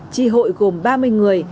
chi hội gồm ba mươi người